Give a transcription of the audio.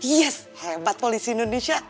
yes hebat polisi indonesia